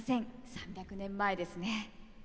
３００年前ですね。